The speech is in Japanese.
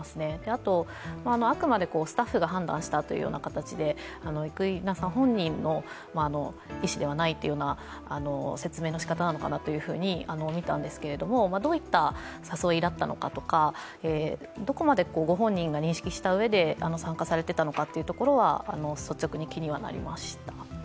あと、あくまでスタッフが判断したというような形で生稲さん本人の意思ではないというような説明の仕方なのかなと見たんですけれどもどういった誘いだったのかとかどこまで御本人が認識したうえで参加されていたのかということは率直に気にはなりました。